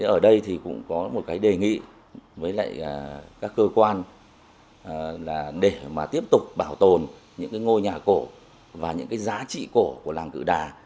ở đây thì cũng có một cái đề nghị với lại các cơ quan là để mà tiếp tục bảo tồn những cái ngôi nhà cổ và những cái giá trị cổ của làng cự đà